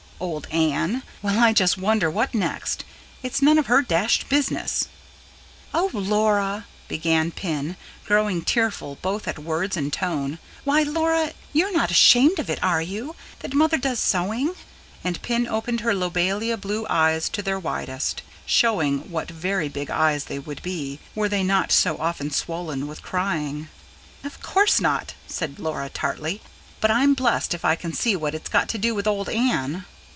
'" "Old Anne? Well, I just wonder what next! It's none of her dashed business." "Oh, Laura!" began Pin, growing tearful both at words and tone. "Why, Laura, you're not ashamed of it, are you? that mother does sewing?" and Pin opened her lobelia blue eyes to their widest, showing what very big eyes they would be, were they not so often swollen with crying. "Of course not," said Laura tartly. "But I'm blessed if I can see what it's got to do with old Anne."